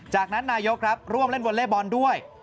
จากนั้นนายกครับร่วมเล่นวอเล่บอลด้วย